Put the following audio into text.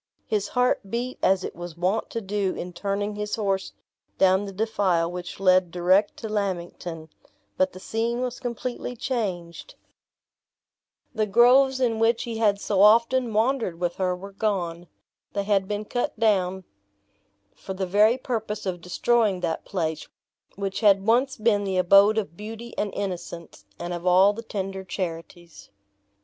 His heart beat as it was wont to do in turning his horse down the defile which led direct to Lammington; but the scene was completely changed; the groves in which he had so often wandered with her were gone; they had been cut down for the very purpose of destroying that place, which had once been the abode of beauty and innocence, and of all the tender charities.